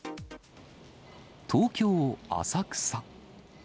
東京・浅草。